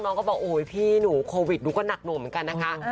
น้องก็บอกโอ๊ยพี่หนูโควิดหนูก็หนักหน่วงเหมือนกันนะคะ